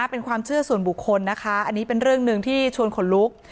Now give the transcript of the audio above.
เป็นความเชื่อส่วนบุคคลนะคะอันนี้เป็นเรื่องหนึ่งที่ชวนขนลุก